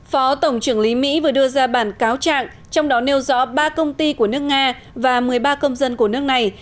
phó tổng trưởng lý mỹ vừa đưa ra bản cáo trạng trong đó nêu rõ ba công ty của nước nga và một mươi ba công dân của nước này